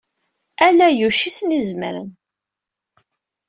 Ala Yuc ay asen-izemren.